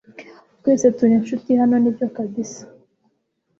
Twese turi inshuti hano nibyo kabisa